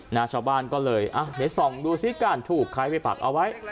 ชาวบ้านก็เลยอ่ะเดี๋ยวส่องดูซิการถูกใครไปปักเอาไว้